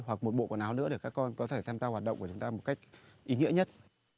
hoặc một bộ quần áo nữa để các con có thể tham gia hoạt động của chúng ta một cách ý nghĩa nhất